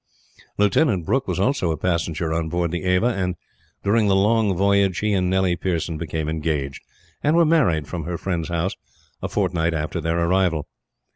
Lieutenant Brooke was also a passenger on board the Ava, and during the long voyage he and Nellie Pearson became engaged; and were married, from her friend's house, a fortnight after their arrival.